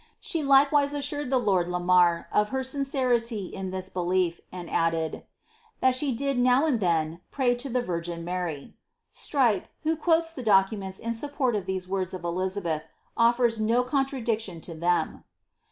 She like wise assured the lord Lamar of her sincerity in this belief, and added, •* that she did now and then pray to the Virgin Mary." Strype, who quotes documents in support of these words of Elizabeth, offers no con tradiction to them.'